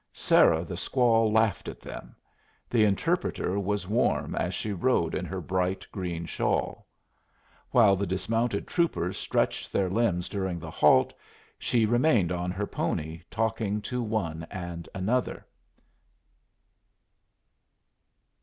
Sarah the squaw laughed at them: the interpreter was warm as she rode in her bright green shawl. While the dismounted troopers stretched their limbs during the halt, she remained on her pony talking to one and another.